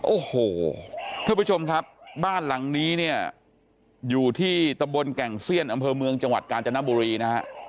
โอ้โหท่านผู้ชมครับบ้านหลังนี้เนี่ยอยู่ที่ตะบนแก่งเซียนอำเภอเมืองจังหวัดกาญจนบุรีนะฮะ